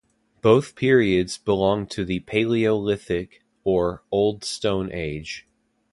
Both periods belong to the Paleolithic or Old Stone Age.